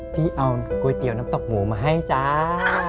พี่เอาก๋วยเตี๋ยวน้ำตกหมูมาให้จ้า